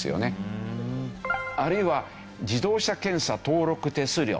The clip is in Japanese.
あるいは自動車検査登録手数料